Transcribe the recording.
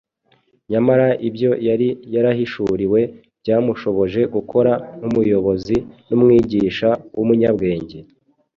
Nyamara ibyo yari yarahishuriwe byamushoboje gukora nk’umuyobozi n’umwigisha w’umunyabwenge;